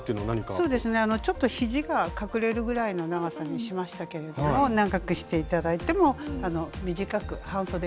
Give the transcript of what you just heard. そうですねちょっとひじが隠れるぐらいの長さにしましたけれども長くして頂いても短く半そでにして頂いてもいいと思います。